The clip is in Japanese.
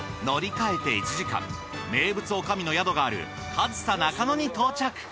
乗り換えて１時間名物女将の宿がある上総中野に到着。